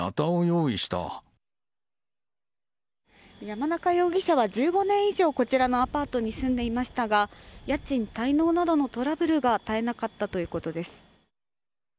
山中容疑者は１５年以上こちらのアパートに住んでいましたが家賃滞納などのトラブルが絶えなかったということです。